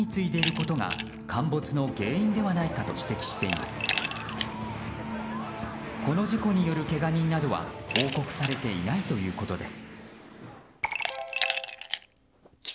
この事故によるけが人などは報告されていないということです。